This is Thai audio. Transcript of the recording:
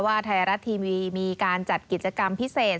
ไทยรัฐทีวีมีการจัดกิจกรรมพิเศษ